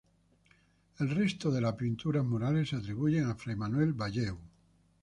El resto de las pinturas murales se atribuye a fray Manuel Bayeu.